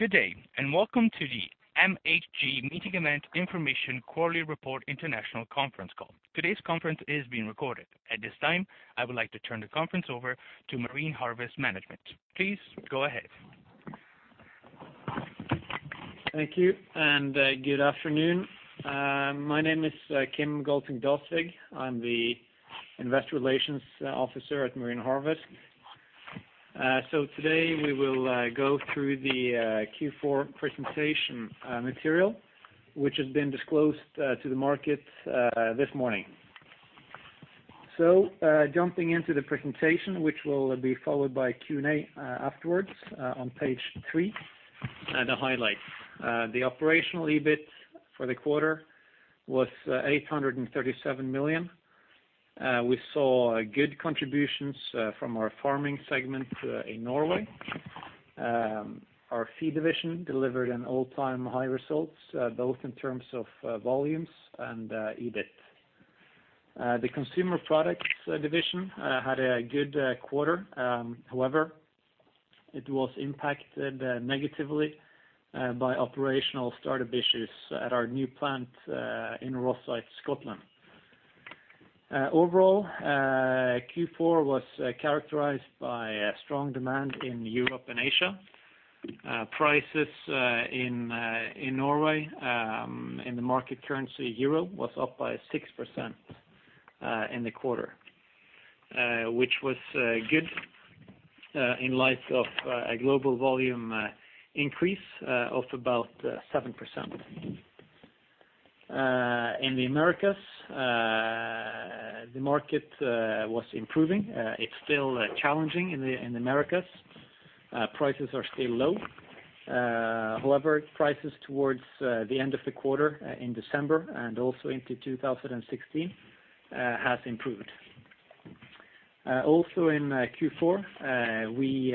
Good day, and welcome to the MHG Meeting Events Information Quarterly Report International Conference Call. Today's conference is being recorded. At this time, I would like to turn the conference over to Marine Harvest management. Please go ahead. Thank you, and good afternoon. My name is Kim Galtung Døsvig. I am the Investor Relations Officer at Marine Harvest. Today we will go through the Q4 presentation material, which has been disclosed to the market this morning. Jumping into the presentation, which will be followed by Q&A afterwards, on page three, the highlights. The operational EBIT for the quarter was 837 million. We saw good contributions from our farming segment in Norway. Our sea division delivered an all-time high result, both in terms of volumes and EBIT. The consumer products division had a good quarter. However, it was impacted negatively by operational startup issues at our new plant in Rosyth, Scotland. Overall, Q4 was characterized by strong demand in Europe and Asia. Prices in Norway, in the market currency euro, were up by 6% in the quarter, which was good in light of a global volume increase of about 7%. In the Americas, the market was improving. It's still challenging in the Americas. Prices are still low. However, prices towards the end of the quarter in December and also into 2016 have improved. Also in Q4, we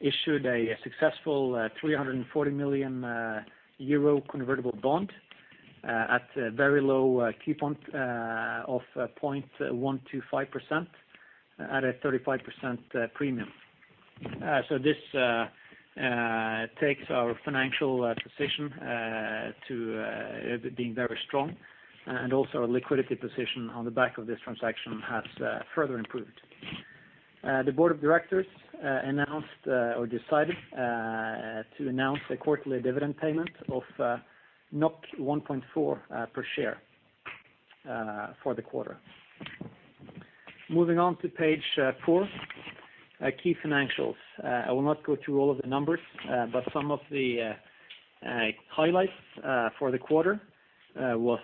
issued a successful 340 million euro convertible bond at a very low coupon of 0.125% at a 35% premium. This takes our financial position to being very strong, and also our liquidity position on the back of this transaction has further improved. The board of directors decided to announce a quarterly dividend payment of 1.4 per share for the quarter. Moving on to page four, key financials. I will not go through all of the numbers, but some of the highlights for the quarter was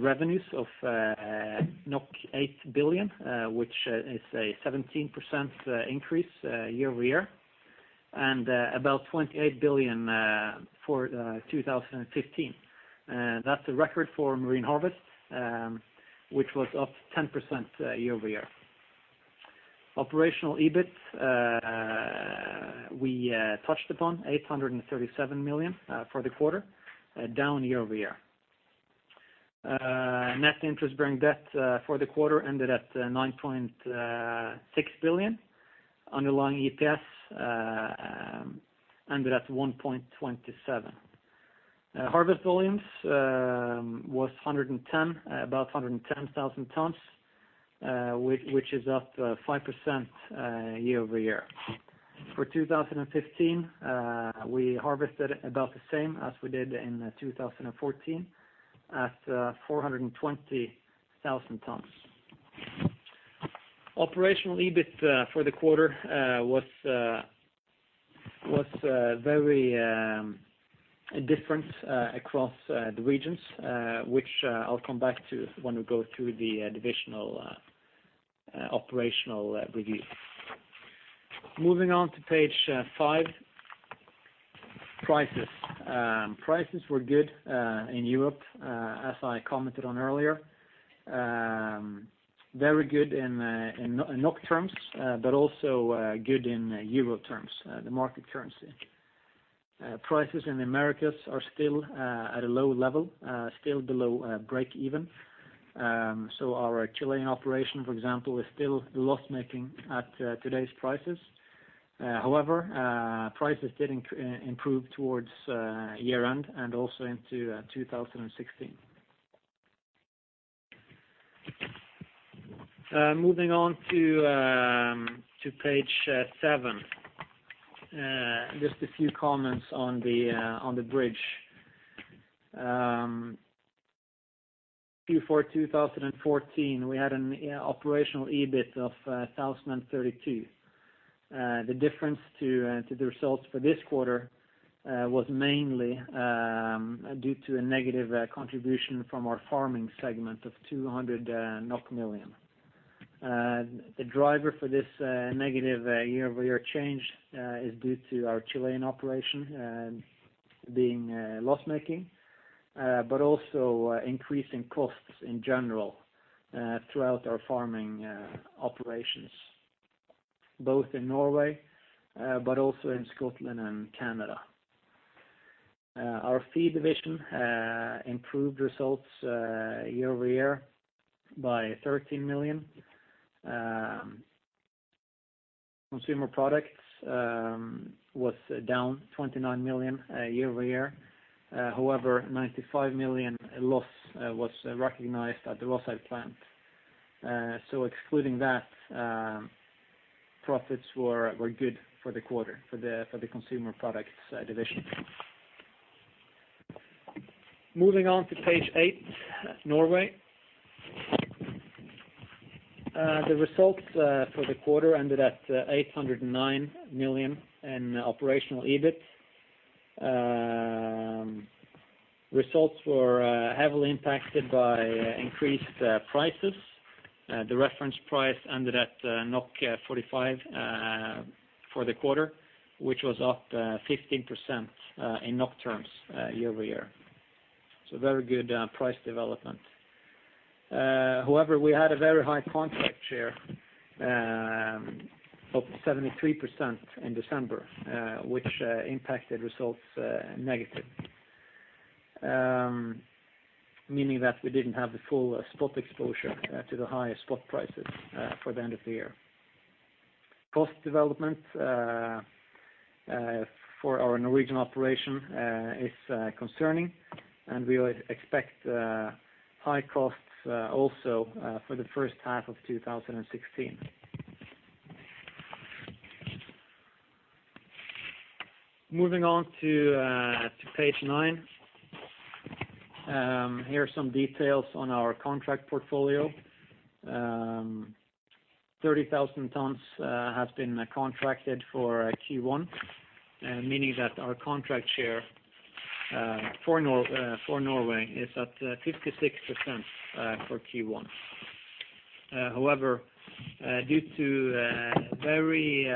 revenues of 8 billion, which is a 17% increase year-over-year, and about 28 billion for 2015. That's a record for Marine Harvest, which was up 10% year-over-year. operational EBIT, we touched upon 837 million for the quarter, down year-over-year. Net interest-bearing debt for the quarter ended at 9.6 billion. Underlying EPS ended at 1.27. Harvest volumes was about 110,000 tons, which is up 5% year-over-year. For 2015, we harvested about the same as we did in 2014, at 420,000 tons. operational EBIT for the quarter was very different across the regions, which I'll come back to when we go through the divisional operational review. Moving on to page five, prices. Prices were good in Europe, as I commented on earlier. Very good in NOK terms, also good in euro terms, the market terms. Prices in the Americas are still at a low level, still below breakeven. Our Chilean operation, for example, is still loss-making at today's prices. However, prices did improve towards year-end and also into 2016. Moving on to page seven. Just a few comments on the bridge. Q4 2014, we had an operational EBIT of 1,032. The difference to the results for this quarter was mainly due to a negative contribution from our farming segment of 200 million NOK. The driver for this negative year-over-year change is due to our Chilean operation being loss-making, also increasing costs in general throughout our farming operations, both in Norway also in Scotland and Canada. Our feed division improved results year-over-year by NOK 13 million. Consumer products was down 29 million year-over-year. 95 million loss was recognized at the Rosyth plant. Excluding that, profits were good for the quarter for the consumer products division. Moving on to page eight, Norway. The results for the quarter ended at 809 million in operational EBIT. Results were heavily impacted by increased prices. The reference price ended at 45 for the quarter, which was up 15% in NOK terms year-over-year. Very good price development. We had a very high contract share, up 73% in December, which impacted results negative, meaning that we didn't have the full spot exposure to the highest spot prices for the end of the year. Cost development for our Norwegian operation is concerning, and we would expect high costs also for the first half of 2016. Moving on to page nine. Here are some details on our contract portfolio. 30,000 tons have been contracted for Q1, meaning that our contract share for Norway is at 56% for Q1. Due to very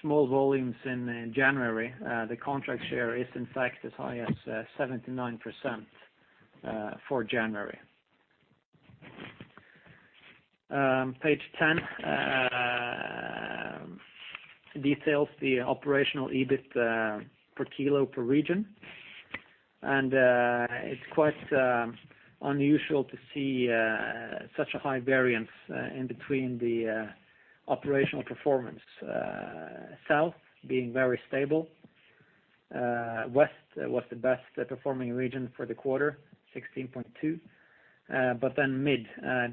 small volumes in January, the contract share is in fact as high as 79% for January. Page 10 details the operational EBIT for kilo per region. It's quite unusual to see such a high variance in between the operational performance. South being very stable. West was the best-performing region for the quarter, 16.2. Mid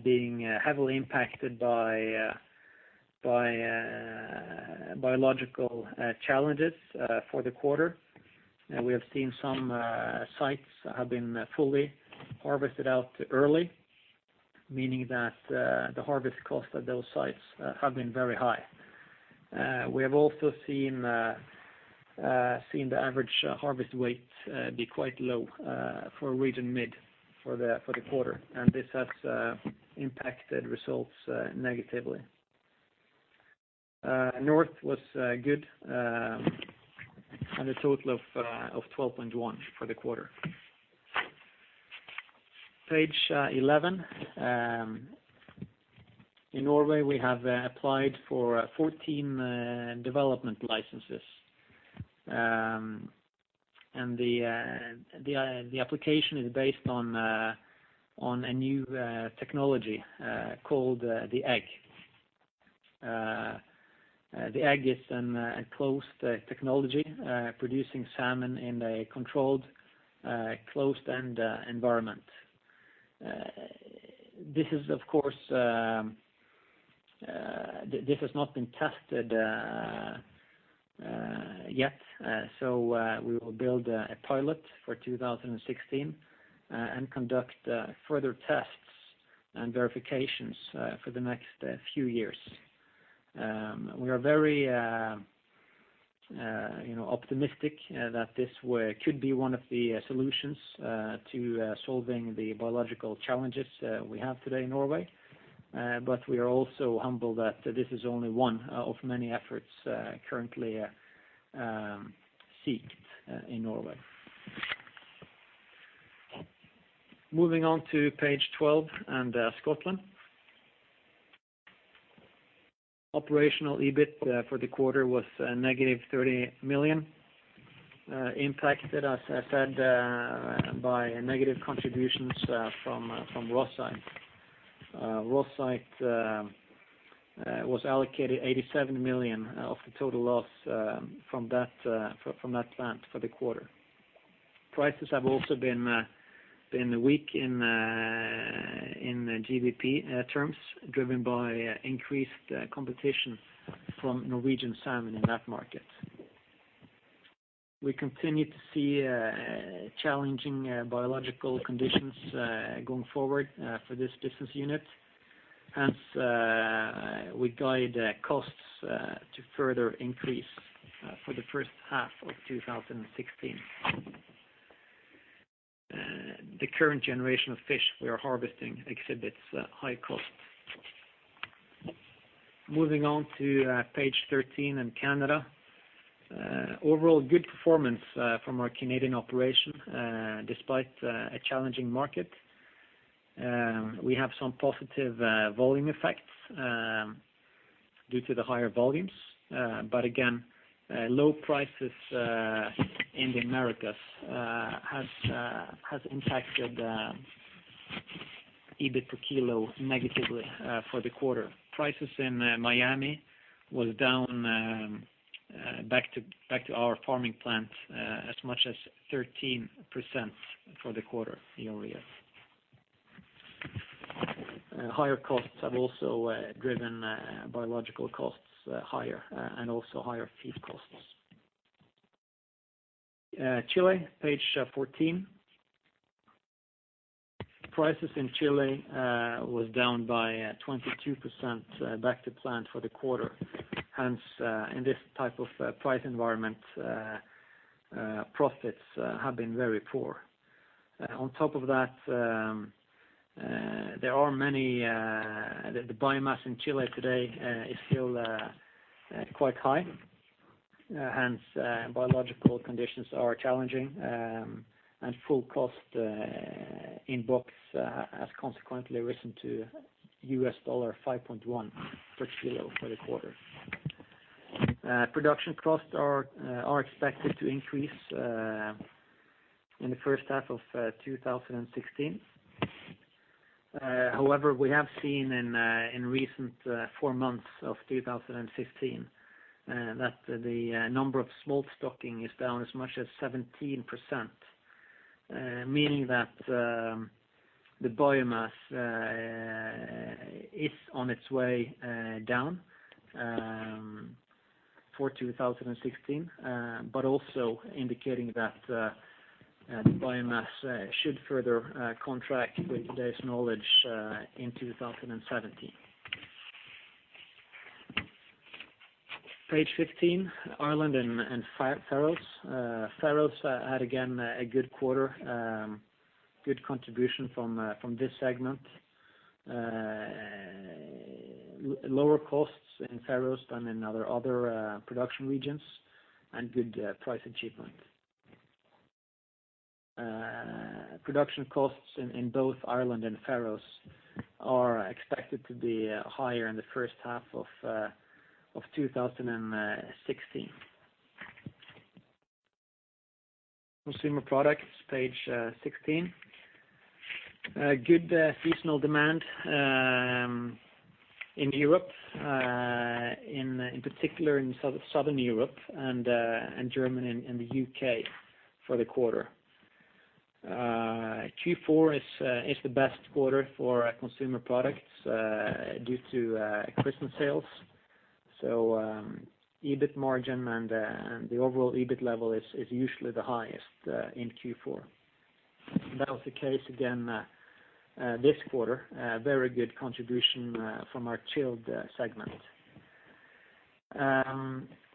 being heavily impacted by biological challenges for the quarter. We have seen some sites have been fully harvested out early, meaning that the harvest cost at those sites have been very high. We have also seen the average harvest weight be quite low for region Mid for the quarter, and this has impacted results negatively. North was good and a total of 12.1 for the quarter. Page 11. In Norway, we have applied for 14 development licenses. The application is based on a new technology called The Egg. The Egg is an enclosed technology producing salmon in a controlled, closed-end environment. This has not been tested yet, so we will build a pilot for 2016 and conduct further tests and verifications for the next few years. We are very optimistic that this could be one of the solutions to solving the biological challenges we have today in Norway. We are also humble that this is only one of many efforts currently seeked in Norway. Moving on to page 12 and Scotland. Operational EBIT for the quarter was a -30 million, impacted, as I said, by negative contributions from Rosyth. Rosyth was allocated 87 million of the total loss from that plant for the quarter. Prices have also been weak in GBP terms, driven by increased competition from Norwegian salmon in that market. We continue to see challenging biological conditions going forward for this business unit as we guide costs to further increase for the first half of 2016. The current generation of fish we are harvesting exhibits high costs. Moving on to page 13 in Canada. Overall good performance from our Canadian operation despite a challenging market. We have some positive volume effects due to the higher volumes. Again, low prices in the Americas have impacted EBIT per kilo negatively for the quarter. Prices in Miami was down back to our processing plant as much as 13% for the quarter year-over-year. Higher costs have also driven biological costs higher and also higher feed costs. Chile, page 14. Prices in Chile was down by 22% back to plant for the quarter. Hence, in this type of price environment, profits have been very poor. On top of that, the biomass in Chile today is still quite high, hence biological conditions are challenging. Full cost in-box has consequently risen to $5.1/kg for the quarter. Production costs are expected to increase in the first half of 2016. However, we have seen in recent four months of 2015 that the number of smolt stocking is down as much as 17%, meaning that the biomass is on its way down for 2016, but also indicating that biomass should further contract with today's knowledge in 2017. Page 15, Ireland and Faroes. Faroes had, again, a good quarter, good contribution from this segment. Lower costs in Faroes than in our other production regions and good price achievement. Production costs in both Ireland and Faroes are expected to be higher in the first half of 2016. Consumer products, page 16. Good seasonal demand in Europe, in particular in Southern Europe and Germany, and the U.K. for the quarter. Q4 is the best quarter for consumer products due to Christmas sales. EBIT margin and the overall EBIT level is usually the highest in Q4. That was the case again this quarter. Very good contribution from our chilled segment.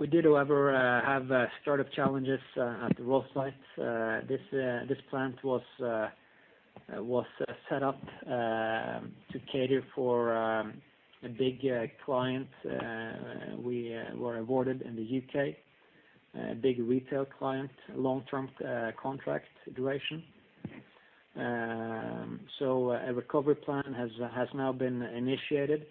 We did, however, have startup challenges at the Rosyth. This plant was set up to cater for a big client we were awarded in the U.K., a big retail client, a long-term contract situation. A recovery plan has now been initiated,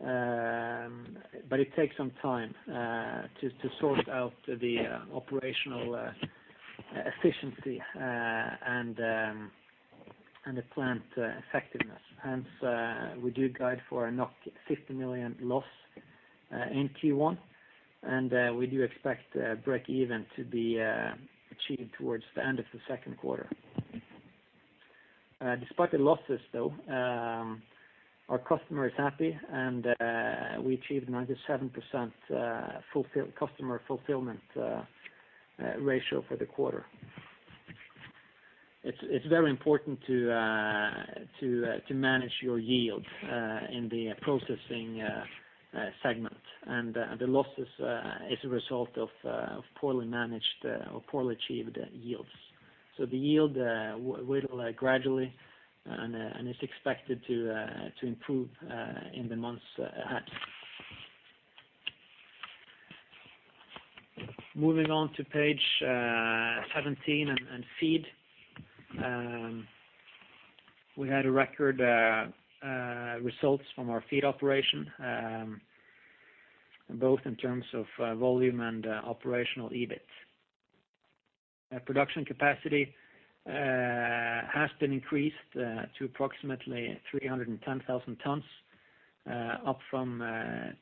but it takes some time to sort out the operational efficiency and the plant effectiveness. Hence, we do guide for a 60 million loss in Q1, and we do expect breakeven to be achieved towards the end of the second quarter. Despite the losses, though, our customer is happy, and we achieved 97% customer fulfillment ratio for the quarter. It's very important to manage your yields in the processing segment, and the losses is a result of poorly managed or poorly achieved yields. The yield will gradually, and it's expected to improve in the months ahead. Moving on to page 17 and feed. We had record results from our feed operation, both in terms of volume and operational EBIT. Production capacity has been increased to approximately 310,000 tons, up from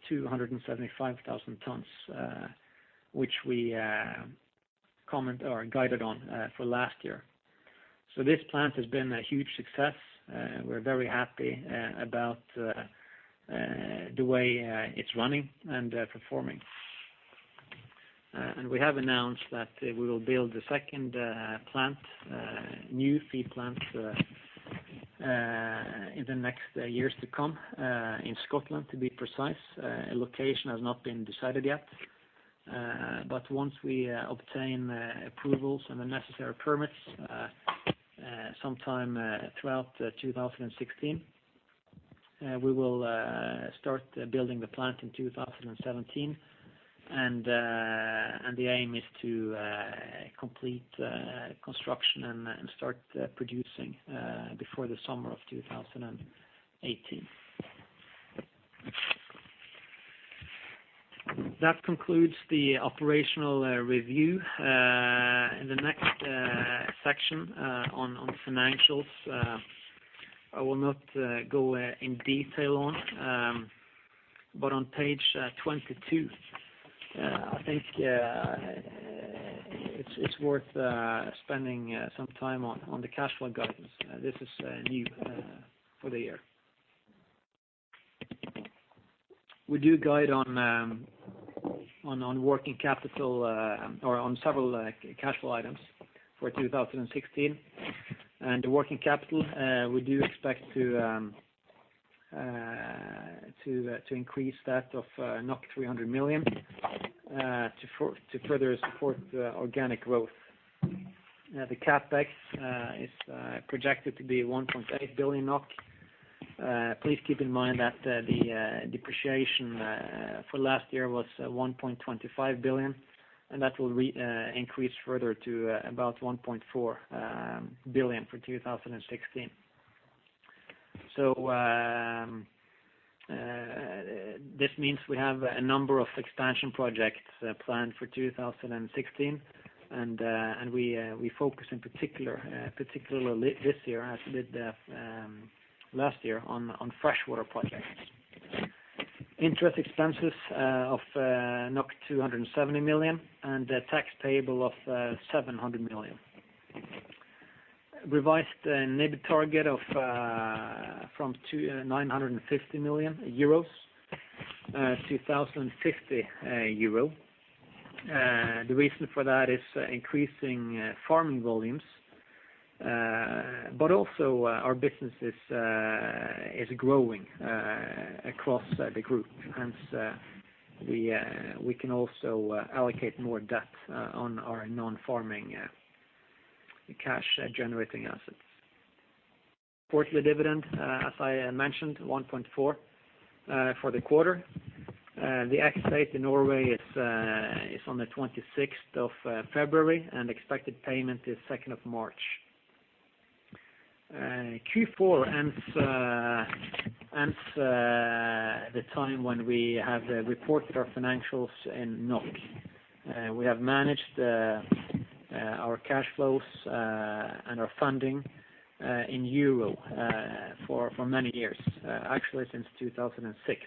275,000 tons, which we guided on for last year. This plant has been a huge success. We're very happy about the way it's running and performing. We have announced that we will build a second new feed plant in the next years to come in Scotland, to be precise. A location has not been decided yet. Once we obtain approvals and the necessary permits, sometime throughout 2016. We will start building the plant in 2017, and the aim is to complete construction and start producing before the summer of 2018. That concludes the operational review. In the next section on financials, I will not go in detail, but on page 22, I think it's worth spending some time on the cash flow guidance. This is new for the year. We do guide on working capital or on several capital items for 2016. Working capital, we do expect to increase that of 300 million to further support organic growth. The CapEx is projected to be 1.8 billion NOK. Please keep in mind that the depreciation for last year was 1.25 billion, and that will increase further to about 1.4 billion for 2016. This means we have a number of expansion projects planned for 2016 and we focus in particular this year, as we did last year, on freshwater projects. Interest expenses of 270 million and the tax payable of 700 million. Revised NIBD target from 950 million-1,050 million euros. The reason for that is increasing farming volumes, but also our business is growing across the group and we can also allocate more debt on our non-farming cash-generating assets. Quarterly dividend, as I mentioned, 1.4 for the quarter. The ex-date in Norway is on February 26th and expected payment is March 2nd. Q4 ends the time when we have reported our financials in NOK. We have managed our cash flows and our funding in euro for many years, actually since 2006.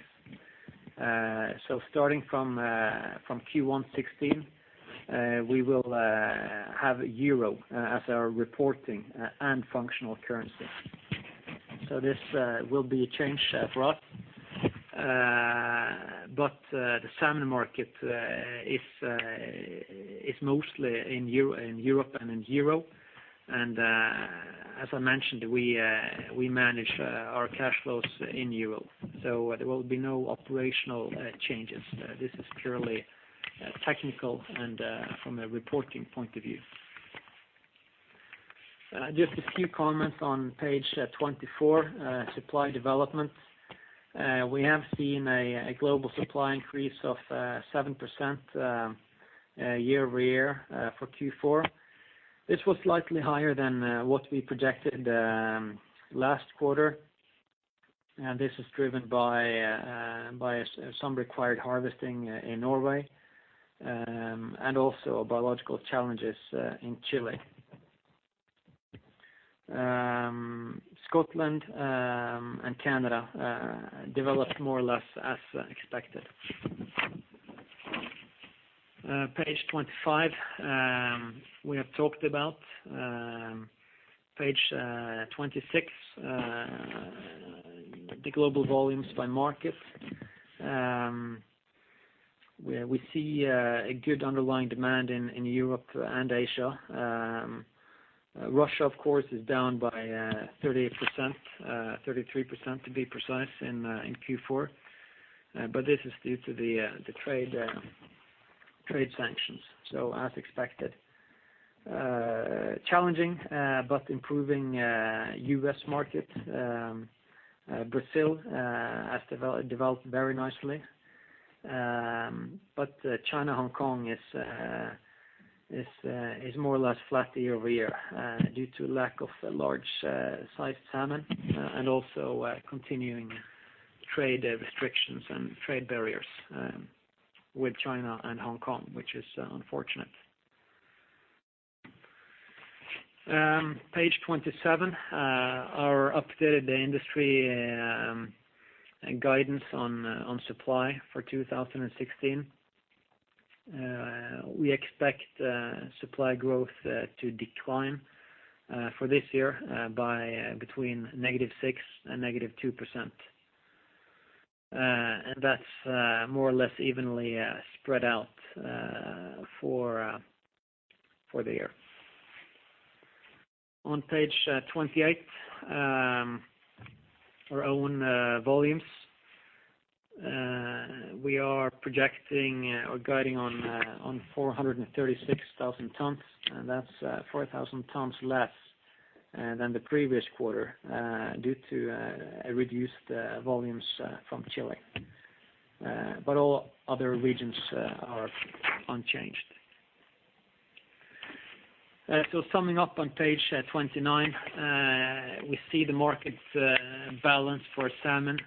Starting from Q1 2016, we will have euro as our reporting and functional currency. This will be a change for us. The salmon market is mostly in Europe and in euro. As I mentioned, we manage our cash flows in euro, so there will be no operational changes. This is purely technical and from a reporting point of view. Just a few comments on page 24, supply developments. We have seen a global supply increase of 7% year-over-year for Q4. This was slightly higher than what we projected last quarter, and this is driven by some required harvesting in Norway and also biological challenges in Chile. Scotland and Canada developed more or less as expected. Page 25, we have talked about. Page 26, the global volumes by market, where we see a good underlying demand in Europe and Asia. Russia, of course, is down by 38%, 33% to be precise in Q4. This is due to the trade sanctions, as expected. Challenging but improving U.S. market. Brazil has developed very nicely. China/Hong Kong is more or less flat year-over-year due to lack of large-sized salmon and also continuing trade restrictions and trade barriers with China and Hong Kong, which is unfortunate. Page 27. Our updated industry guidance on supply for 2016. We expect supply growth to decline for this year by between -6% and -2%. That's more or less evenly spread out for the year. On page 28, our own volumes. We are projecting or guiding on 436,000 tons, that's 4,000 tons less than the previous quarter due to reduced volumes from Chile. All other regions are unchanged. Summing up on page 29, we see the market balance for salmon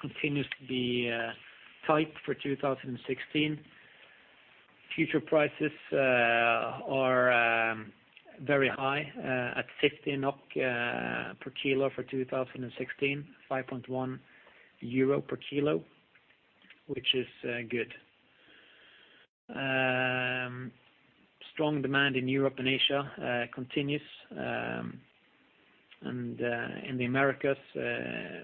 continues to be tight for 2016. Future prices are very high at 16 NOK/kg for 2016, 5.1 euro/kg, which is good. Strong demand in Europe and Asia continues. In the Americas,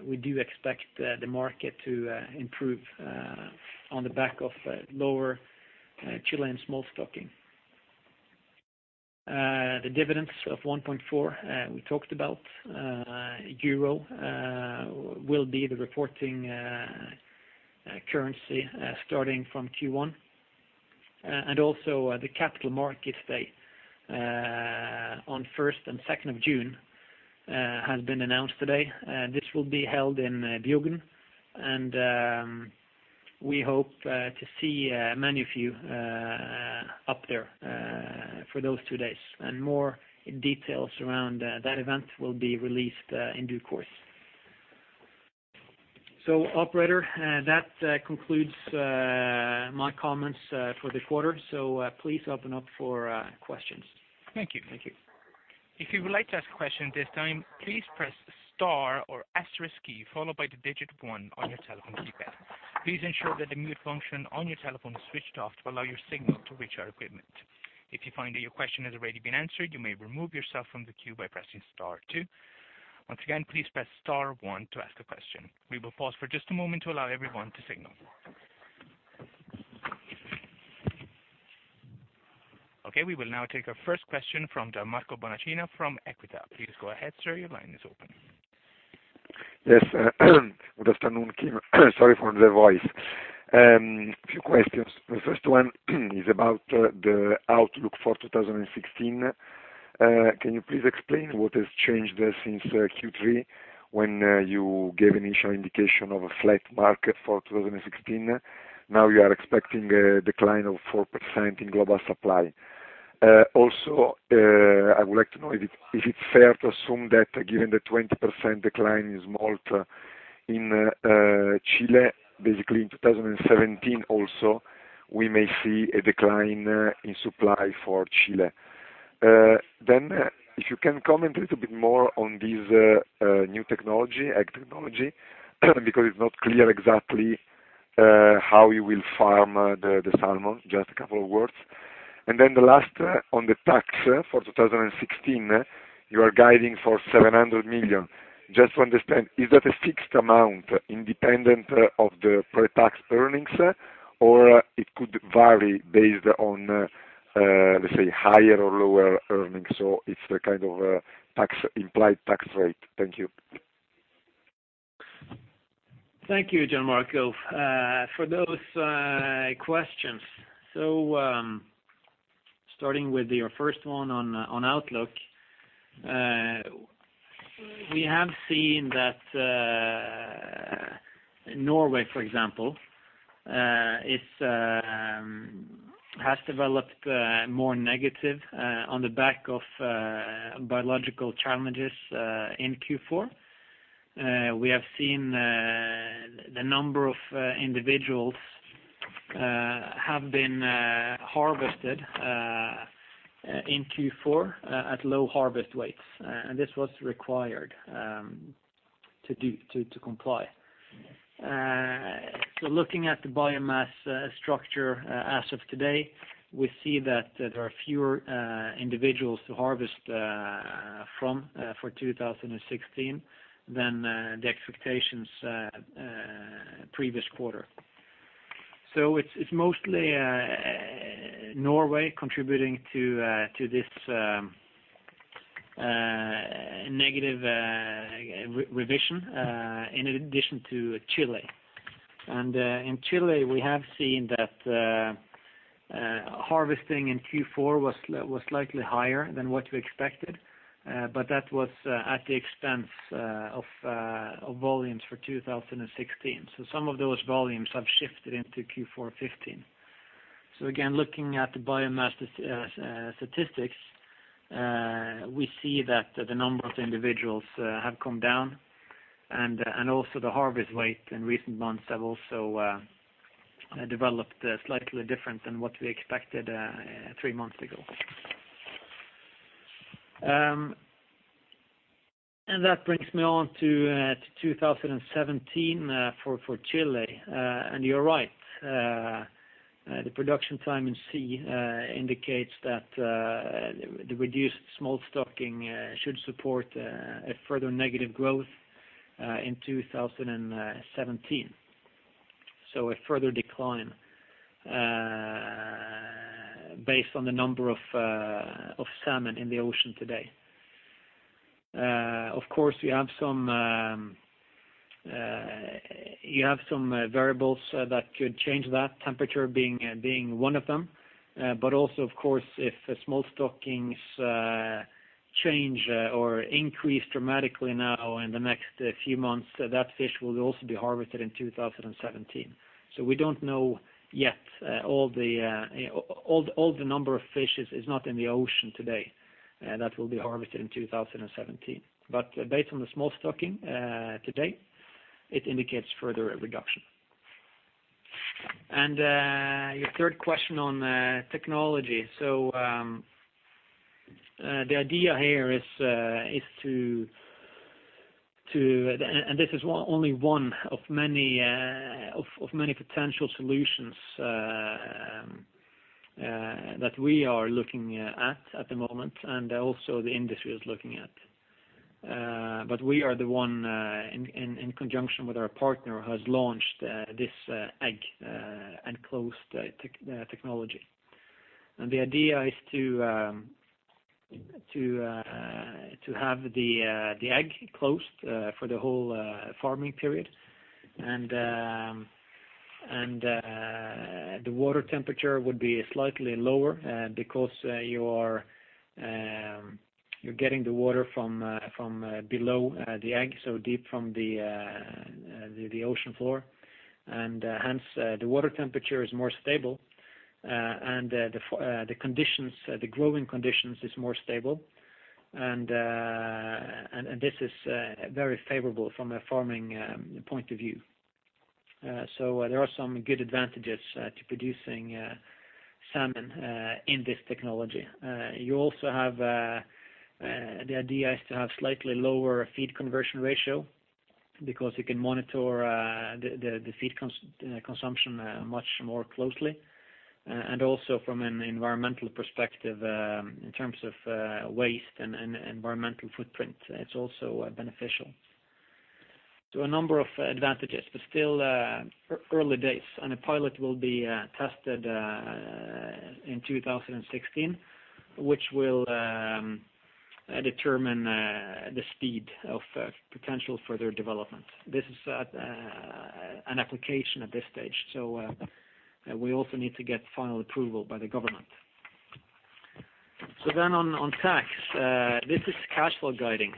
we do expect the market to improve on the back of lower Chilean smolt stocking. The dividends of 1.4 we talked about, euro will be the reporting currency starting from Q1. Also the Capital Markets Day on June 1st and June 2nd has been announced today. This will be held in Bergen, and we hope to see many of you up there for those two days. More details around that event will be released in due course. Operator, that concludes my comments for this quarter. Please open up for questions. Thank you. If you would like to ask a question at this time, please press star or asterisk key followed by the digit one on your telephone keypad. Please ensure that the mute function on your telephone is switched off to allow your signal to reach our equipment. If you find that your question has already been answered, you may remove yourself from the queue by pressing star two. Once again, please press star one to ask a question. We will pause for just a moment to allow everyone to signal. Okay, we will now take our first question from Gianmarco Bonacina from EQUITA. Please go ahead, sir. Your line is open. Yes. Good afternoon. Sorry for the voice. Few questions. The first one is about the outlook for 2016. Can you please explain what has changed since Q3 when you gave initial indication of a flat market for 2016? Now you are expecting a decline of 4% in global supply. Also, I would like to know if it's fair to assume that given the 20% decline in smolt in Chile, basically in 2017 also, we may see a decline in supply for Chile. If you can comment a little bit more on this new technology, AKVA group technology, because it's not clear exactly how you will farm the salmon. Just a couple of words. The last on the tax for 2016. You are guiding for 700 million. Just to understand, is that a fixed amount independent of the pre-tax earnings, or it could vary based on, let's say, higher or lower earnings? It's a kind of implied tax rate. Thank you. Thank you, Gianmarco, for those questions. Starting with your first one on outlook. We have seen that Norway, for example, has developed more negative on the back of biological challenges in Q4. We have seen the number of individuals have been harvested in Q4 at low harvest weights, and this was required to comply. Looking at the biomass structure as of today, we see that there are fewer individuals to harvest from for 2016 than the expectations previous quarter. It's mostly Norway contributing to this negative revision in addition to Chile. In Chile, we have seen that harvesting in Q4 was slightly higher than what we expected, but that was at the expense of volumes for 2016. Some of those volumes have shifted into Q4 2015. Again, looking at the biomass statistics, we see that the number of individuals have come down and also the harvest weight in recent months have also developed slightly different than what we expected three months ago. That brings me on to 2017 for Chile. You're right, the production time in sea indicates that the reduced smolt stocking should support a further negative growth in 2017. A further decline based on the number of salmon in the ocean today. Of course, you have some variables that could change that, temperature being one of them. Also, of course, if the smolt stockings change or increase dramatically now in the next few months, that fish will also be harvested in 2017. We don't know yet. All the number of fishes is not in the ocean today that will be harvested in 2017. Based on the smolt stocking to date, it indicates further reduction. Your third question on technology. This is only one of many potential solutions that we are looking at at the moment, and also the industry is looking at. We are the one, in conjunction with our partner, has launched this The Egg enclosed technology. The idea is to have The Egg closed for the whole farming period. The water temperature would be slightly lower because you're getting the water from below The Egg, so deep from the ocean floor, and hence the water temperature is more stable and the growing conditions is more stable. This is very favorable from a farming point of view. There are some good advantages to producing salmon in this technology. The idea is to have slightly lower feed conversion ratio because you can monitor the feed consumption much more closely. Also from an environmental perspective, in terms of waste and environmental footprint, it's also beneficial. A number of advantages, but still early days. A pilot will be tested in 2016, which will determine the speed of potential further development. This is an application at this stage, we also need to get final approval by the government. On tax, this is cash flow guiding.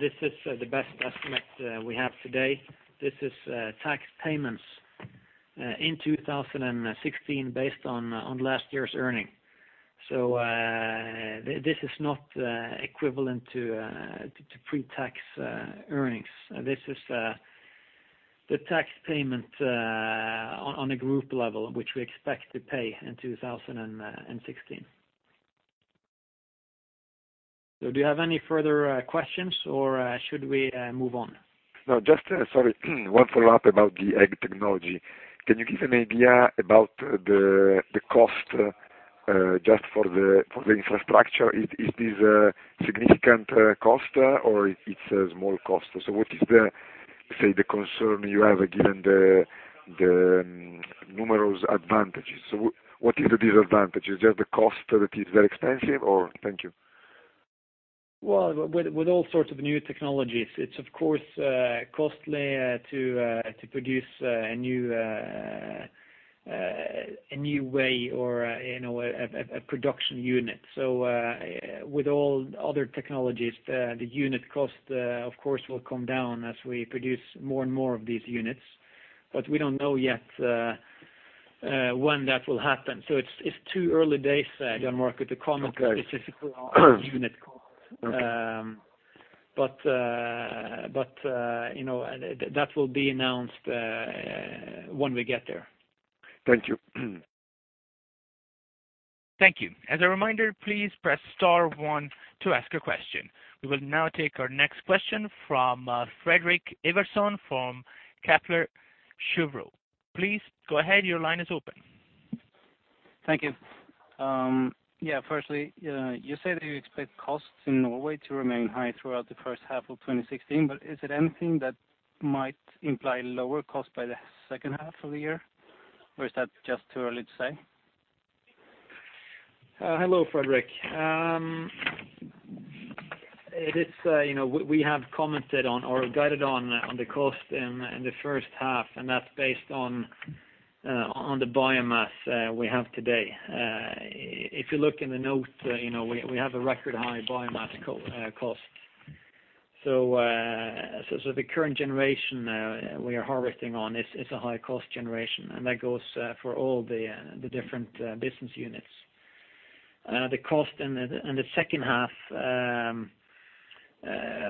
This is the best estimate we have today. This is tax payments in 2016 based on last year's earning. This is not equivalent to pre-tax earnings. This is the tax payment on a group level, which we expect to pay in 2016. Do you have any further questions or should we move on? No, just, sorry, one follow-up about The Egg technology. Can you give an idea about the cost just for the infrastructure? Is this a significant cost or it's a small cost? What is the concern you have given the numerous advantages? What is the disadvantage? Is that the cost that is very expensive or? Thank you. With all sorts of new technologies, it's of course costly to produce a new way or a production unit. With all other technologies, the unit cost of course will come down as we produce more and more of these units. We don't know yet when that will happen. It's too early days to market the economics- Okay. -specific unit cost. Okay. That will be announced when we get there. Thank you. Thank you. As a reminder, please press star one to ask a question. We will now take our next question from Fredrik Ivarsson from Kepler Cheuvreux. Please go ahead. Your line is open. Thank you. Yeah, firstly, you say that you expect costs in Norway to remain high throughout the first half of 2016, but is it anything that might imply lower cost by the second half of the year, or is that just too early to say? Hello, Fredrik. We have commented on or guided on the cost in the first half, and that's based on the biomass we have today. If you look in the note, we have a record high biomass cost. The current generation we are harvesting on is a high-cost generation, and that goes for all the different business units. The cost in the second half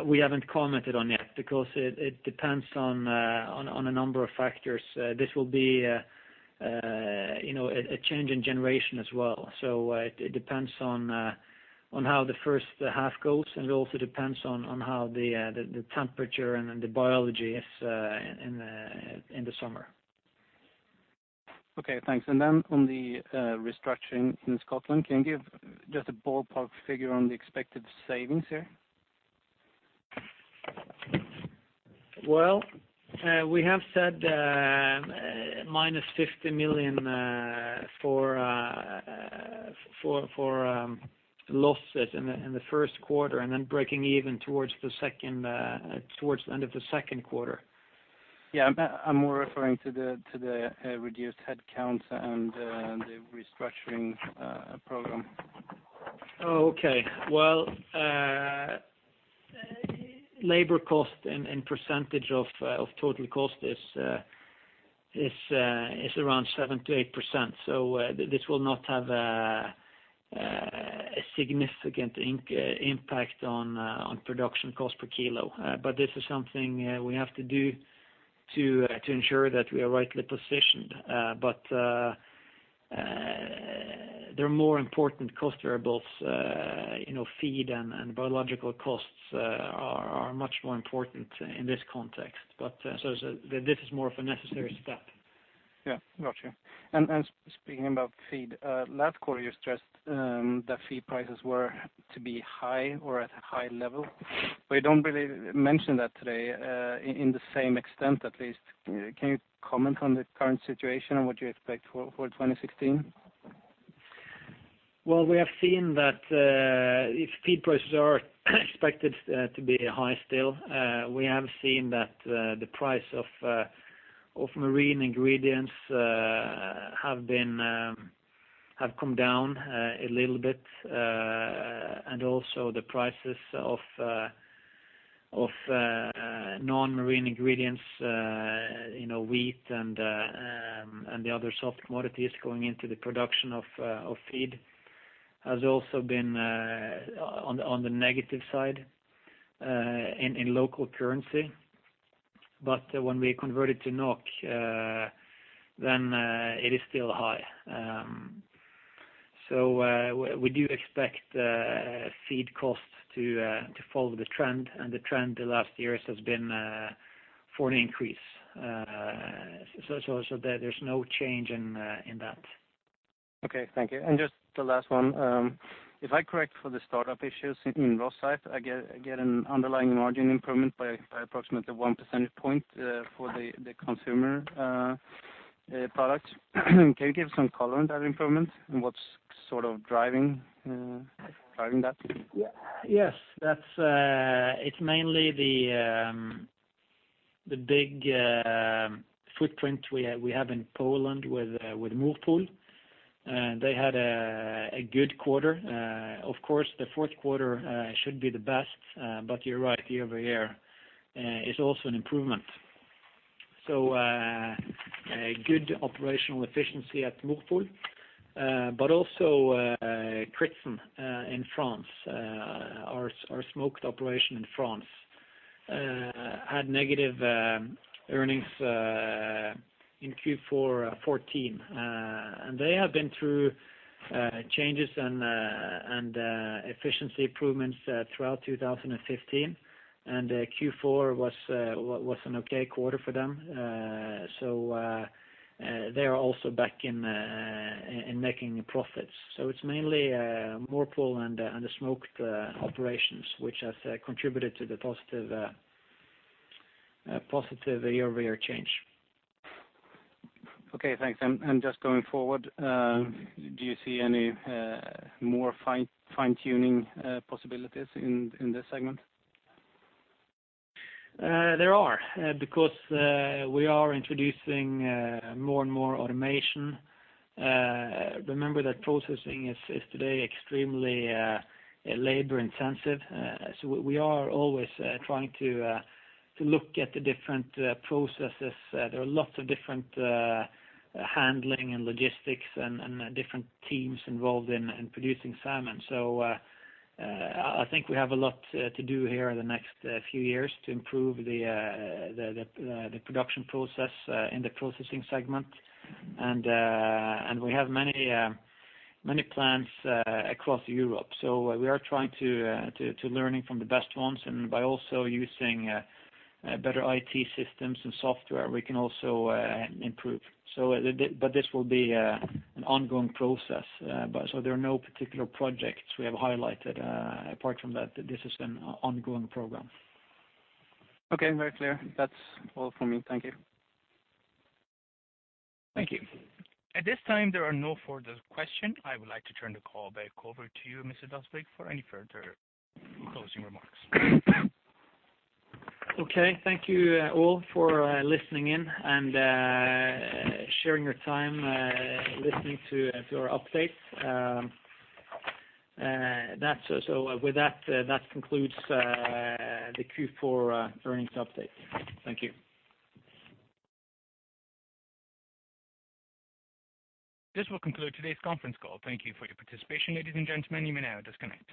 we haven't commented on yet because it depends on a number of factors. This will be a change in generation as well. It depends on how the first half goes, and it also depends on how the temperature and the biology is in the summer. Okay, thanks. On the restructuring in Scotland, can you give just a ballpark figure on the expected savings here? Well, we have said -60 million for losses in the first quarter, and then breaking even towards the end of the second quarter. Yeah. I'm more referring to the reduced headcount and the restructuring program. Labor cost and percentage of total cost is around 7%-8%. This will not have a significant impact on production cost per kilo. This is something we have to do to ensure that we are rightly positioned. The more important cost variables, feed and biological costs, are much more important in this context. This is more of a necessary step. Yeah, got you. Speaking about feed, last quarter you stressed that feed prices were to be high or at a high level. We don't really mention that today in the same extent, at least. Can you comment on the current situation and what you expect for 2016? Well, we have seen that feed prices are expected to be high still. We have seen that the price of marine ingredients have come down a little bit. Also the prices of non-marine ingredients, wheat and the other soft commodities going into the production of feed has also been on the negative side in local currency. When we convert it to NOK, then it is still high. We do expect feed costs to follow the trend, and the trend the last years has been for an increase. There's no change in that. Okay, thank you. Just the last one. If I correct for the startup issues in the loss side, I get an underlying margin improvement by approximately one percentage point for the consumer products. Can you give some color on that improvement and what's sort of driving that? Yes, it's mainly the big footprint we have in Poland with Morpol. They had a good quarter. Of course, the fourth quarter should be the best, but you're right, year-over-year is also an improvement. A good operational efficiency at Morpol but also Kritsen in France. Our smoked operation in France had negative earnings in Q4 2014. They have been through changes and efficiency improvements throughout 2015. Q4 was an okay quarter for them. They're also back in making profits. It's mainly Morpol and the smoked operations which has contributed to the positive year-over-year change. Okay, thanks. Just going forward, do you see any more fine-tuning possibilities in this segment? There are, because we are introducing more and more automation. Remember that processing is today extremely labor-intensive. We are always trying to look at the different processes. There are lots of different handling and logistics and different teams involved in producing salmon. I think we have a lot to do here in the next few years to improve the production process in the processing segment. We have many plants across Europe, so we are trying to learning from the best ones and by also using better IT systems and software, we can also improve. This will be an ongoing process. There are no particular projects we have highlighted apart from that this is an ongoing program. Okay, very clear. That's all for me. Thank you. Thank you. At this time, there are no further questions. I would like to turn the call back over to you, Mr. Døsvig, for any further closing remarks. Okay. Thank you all for listening in and sharing your time listening to our update. With that concludes the Q4 earnings update. Thank you. This will conclude today's conference call. Thank you for your participation. Ladies and gentlemen, you may now disconnect.